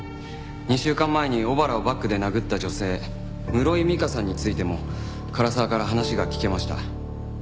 ２週間前に尾原をバッグで殴った女性室井実花さんについても唐沢から話が聞けました。